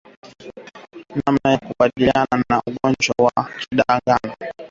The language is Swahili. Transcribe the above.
Namna ya kukabiliana na ugonjwa wa ndigana baridi